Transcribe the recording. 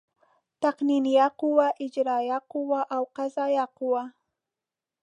تقنینیه قوه، اجرائیه قوه او قضایه قوه.